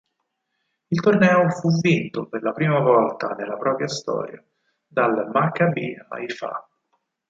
Il torneo fu vinto, per la prima volta nella propria storia, dal Maccabi Haifa.